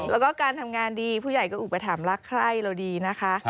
แล้วก็การทำงานดีผู้ใหญ่ก็อุปถัมภ์รักใคร่เราดีนะคะ